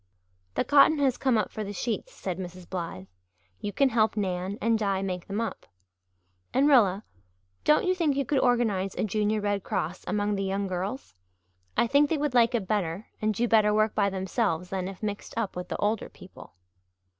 "The cotton has come up for the sheets," said Mrs. Blythe. "You can help Nan and Di make them up. And Rilla, don't you think you could organize a Junior Red Cross among the young girls? I think they would like it better and do better work by themselves than if mixed up with the older people."